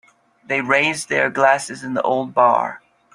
They raised their glasses in the old bar.